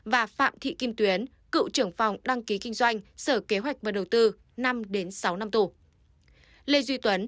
và phạm thị kim tuyến cựu trưởng phòng đăng ký kinh doanh sở kế hoạch và đầu tư năm sáu năm tù